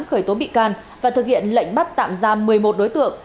khởi tố bị can và thực hiện lệnh bắt tạm giam một mươi một đối tượng